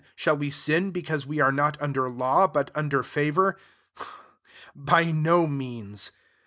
shall we sin ise we are not under law, ! under favour ? By no means.